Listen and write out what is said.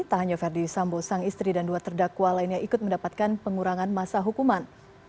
tak hanya verdi sambo sang istri dan dua terdakwa lainnya ikut mendapatkan pengurangan masa hukuman